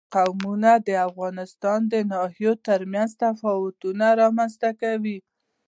قومونه د افغانستان د ناحیو ترمنځ تفاوتونه رامنځ ته کوي.